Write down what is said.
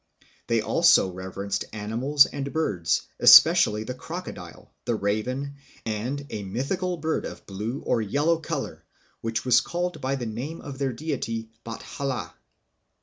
They also reverenced animals and birds, especially the crocodile, the crow, and a mythical bird of blue or yellow color, whch was called by the name of their deity Bathala.